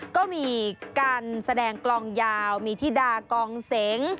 ก็มีการแสดงกลองยาวมีธิดากองเสง